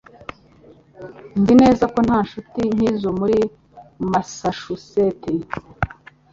Nzi neza ko nta nshuti nk'izo muri Massachusetts